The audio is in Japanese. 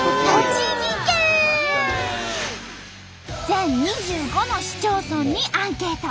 全２５の市町村にアンケート。